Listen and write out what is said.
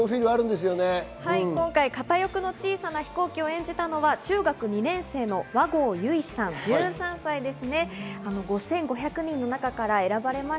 片翼の小さな飛行機を演じたのは中学２年生の和合由依さんです。